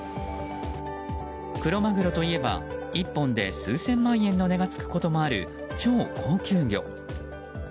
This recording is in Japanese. クロマグロといえば１本で数千万円の値がつくこともある、超高級魚。